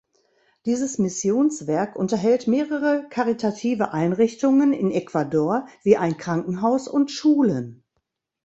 Dieses Missionswerk unterhält mehrere karitative Einrichtungen in Ecuador, wie ein Krankenhaus und Schulen.